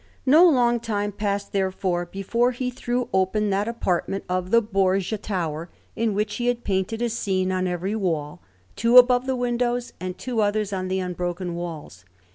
No long time passed, therefore, before he threw open that apartment of the Borgia Tower in which he had painted a scene on every wall, two above the windows, and two others on the unbroken walls.